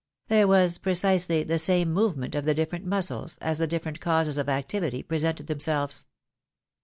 There was precisely the same movement of the different muscles, as the different causes of activity presented them selves.